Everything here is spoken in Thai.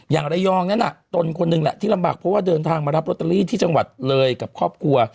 อย่างระยองนั้นตนคนหนึ่งแหละที่ลำบากเพราะว่าเดินทางมารับลอตเตอรี่ที่จังหวัดเลยกับครอบครัว